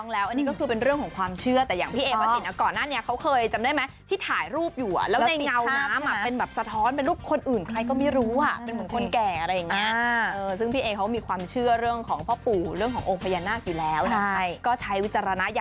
แล้วก็รู้สึกปิดติด